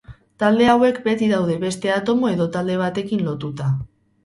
Talde hauek beti daude beste atomo edo talde batekin lotuta.